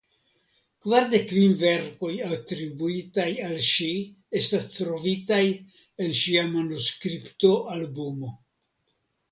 Kvardek kvin verkoj atribuitaj al ŝi estas trovitaj en ŝia manuskriptoalbumo.